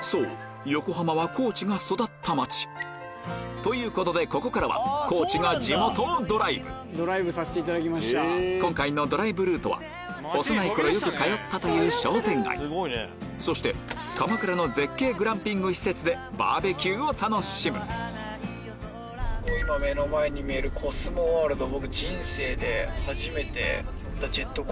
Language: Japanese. そう！ということでここからは地が地元をドライブ今回のドライブルートは幼い頃よく通ったという商店街そして鎌倉の絶景グランピング施設でバーベキューを楽しむ今目の前に見えるコスモワールドは。